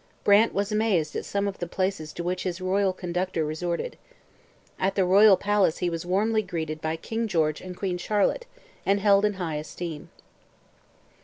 Brant was amazed at some of the places to which his royal conductor resorted. At the royal palace he was warmly greeted by King George and Queen Charlotte and held in high esteem.